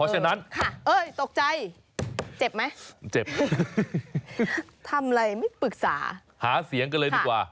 หาเขียนกันเลยดีกว่า